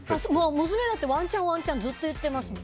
娘はワンチャン、ワンチャンずっと言ってます。